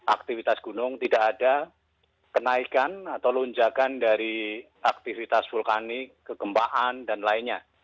aktivitas gunung tidak ada kenaikan atau lonjakan dari aktivitas vulkanik kegempaan dan lainnya